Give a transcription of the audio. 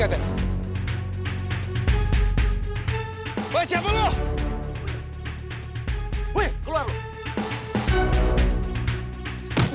tidak bisa diberi